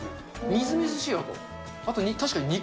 みずみずしい、あと。